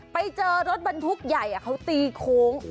ไปเจอรถบรรทุกใหญ่เขาตีโค้ง